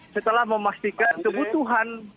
setelah memastikan kebutuhan